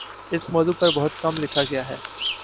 اس موضوع پر بہت کم لکھا گیا ہے